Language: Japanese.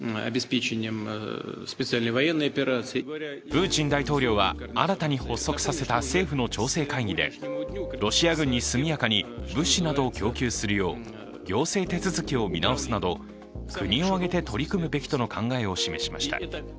プーチン大統領は新たに発足させた政府の調整会議でロシア軍に速やかに物資などを供給するよう行政手続きを見直すなど、国を挙げて取り組むべきとの考えを示しました。